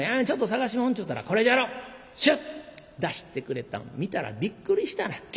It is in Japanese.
ちょっと捜しもんちゅうたら『これじゃろ』シュッ出してくれたん見たらびっくりしたな。